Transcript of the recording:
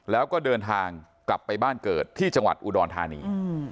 แล้วก็เดินทางกลับไปบ้านเกิดที่จังหวัดอุดรธานี